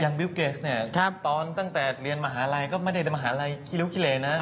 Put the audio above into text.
อย่างบิลเกสเนี่ยตอนตั้งแต่เรียนมหาลัยก็ไม่ได้มหาลัยกิเล้วนะ